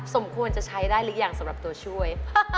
สมควรจะใช้ได้หรือยังสำหรับตัวช่วย